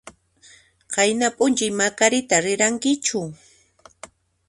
Qayna p'unchay Macarita rirankichu?